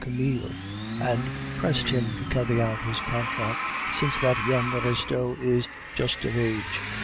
Camille, and pressed him to carry out his contract, since that young Restaud is just of age.